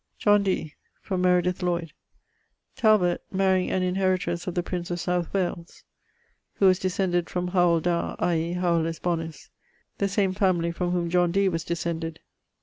John Dee from Meredith Lloyd: Talbot, marying an inheritresse of the prince of South Wales (who was descended from Howel Da, i.e. Howelus bonus: the same family from whom John Dee was descended).